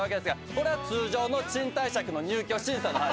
これは通常の賃貸借の入居審査の話ですね。